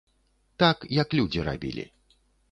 Так як людзі рабілі.